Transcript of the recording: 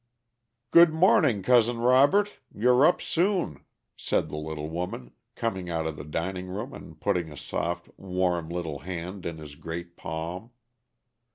"Good morning, Cousin Robert. You're up soon," said the little woman, coming out of the dining room and putting a soft, warm little hand in his great palm.